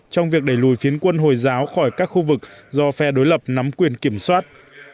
trong việc đẩy lùi phiến quân hồi giáo khỏi các khu vực do phe đối lập nắm quyền kiểm soát